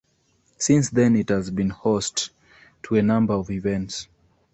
Since then, it has been host to a number of events.